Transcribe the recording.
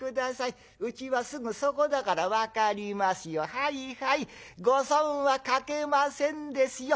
はいはいご損はかけませんですよ。